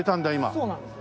そうなんですよ。